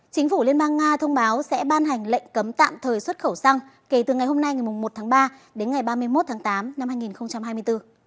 chính phủ liên bang nga thông báo sẽ ban hành lệnh cấm tạm thời xuất khẩu xăng kể từ ngày hôm nay ngày một tháng ba đến ngày ba mươi một tháng tám năm hai nghìn hai mươi bốn